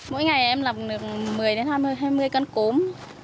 mỗi ngày em làm được một mươi hai mươi con cốm